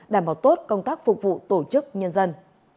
đảm bảo tốt công tác phục vụ tổ chức nhân dân